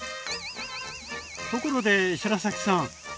ところで白崎さん